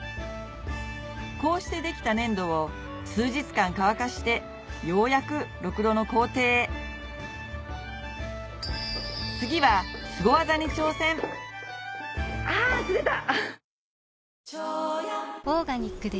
こうしてできた粘土を数日間乾かしてようやくろくろの工程へあズレた！